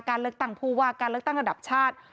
การเลือกตั้งผู้ว่าการเลือกตั้งระดับชาติ